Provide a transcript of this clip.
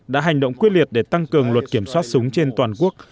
đã hành động quyết liệt để tăng cường luật kiểm soát súng trên toàn quốc